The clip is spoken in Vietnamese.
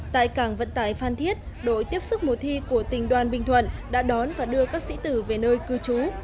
tại cảng vận tải phan thiết đội tiếp sức mùa thi của tỉnh đoàn bình thuận đã đón và đưa các sĩ tử về nơi cư trú